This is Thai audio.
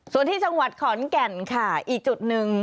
ส่วนที่จังหวัดขอนแก่นค่ะอีกจุดหนึ่ง